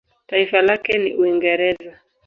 Taifa lake Uingereza.